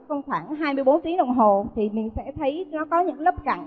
trong khoảng hai mươi bốn tiếng đồng hồ thì mình sẽ thấy nó có những lớp cặn